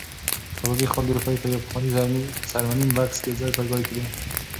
کبابي خپلې روپۍ په یو پخواني څرمنین بکس کې ځای پر ځای کړې.